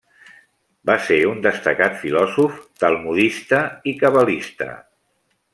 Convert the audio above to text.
Va ser un destacat filòsof, talmudista i cabalista.